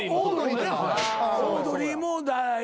オードリーもな。